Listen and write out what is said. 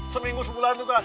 seminggu sebulan juga